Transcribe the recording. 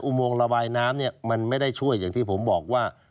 โมงระบายน้ำเนี่ยมันไม่ได้ช่วยอย่างที่ผมบอกว่า